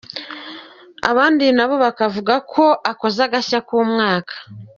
Abandi nabo bakavuga ako akoze agashya k'umwaka.